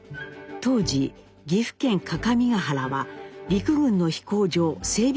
当時岐阜県各務原は陸軍の飛行場整備